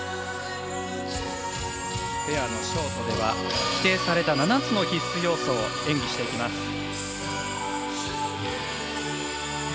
ペアのショートでは指定された７つの規定要素を演技していきます。